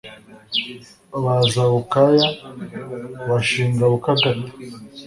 Baza Bukaya, bashinga Bukagata :